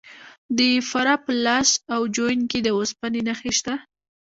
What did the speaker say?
د فراه په لاش او جوین کې د وسپنې نښې شته.